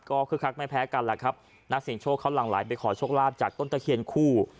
ก็คือคักไม่แพ้กันแหละครับนักเสียงโชคเขาหลังไหลไปขอโชคลาภจากต้นตะเคียนคู่